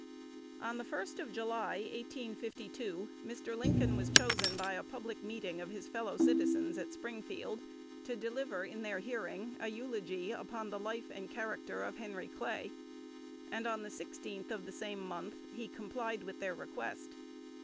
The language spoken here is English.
On the 1st of July, 1852, Mr. Lincoln was chosen by a public meeting of his fellow citizens at Springfield to deliver in their hearing a eulogy upon the life and character of Henry Clay; and on the 16th of the same month he complied with their request.